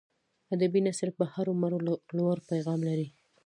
ادبي نثر به هرو مرو لوړ پیغام لري.